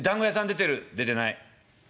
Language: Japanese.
「出てない」。